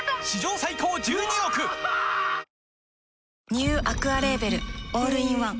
ニューアクアレーベルオールインワン